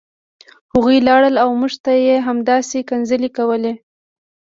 هغوی لاړل او موږ ته یې همداسې کنځلې کولې